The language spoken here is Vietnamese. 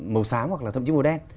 màu sám hoặc là thậm chí màu đen